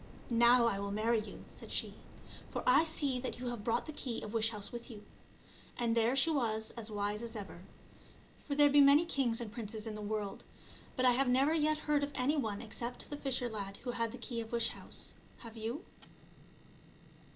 " Now I will marry you," said she, " for I see that you have brought the key of wish house with you ;" and there she was as wise as ever. For there be many kings and princes in the world, but I have never yet heard of any one except the fisher lad who had the key of wish house. Have you